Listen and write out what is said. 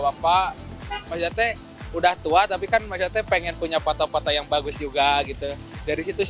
bapak maksudnya udah tua tapi kan maksudnya pengen punya foto foto yang bagus juga gitu dari situ sih